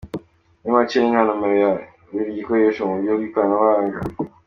Muri macye ni nka nomero ya buri gikoresho mu buryo bw’ikoranabuhanga.